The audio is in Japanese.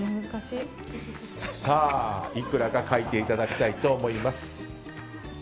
いくらか書いていただきたいと思います。